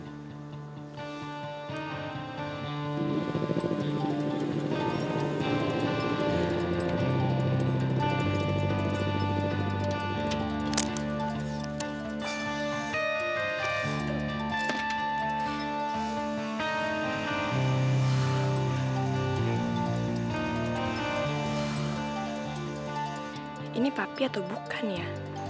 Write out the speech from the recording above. ini papi atau bukan ya